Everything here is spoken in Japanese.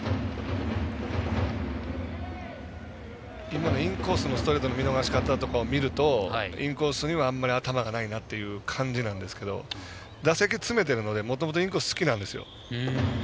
今のインコースのストレートの見逃し方とかを見るとインコースにはあまり頭がないなという感じなんですけれど打席詰めているので、もともとインコースが好きなんですよ。